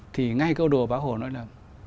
thì ngay câu đồ bác hồ nói là